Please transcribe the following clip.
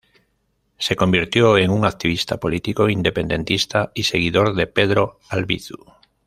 Se convirtió en un activista político independentista y seguidor de Pedro Albizu.